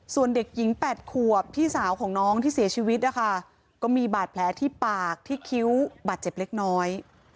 ส่วนเด็กหญิง๘ขวบพี่สาวของน้องที่เสียชีวิตนะคะก็มีบาดแผลที่ปากที่คิ้วบาดเจ็บเล็กน้อย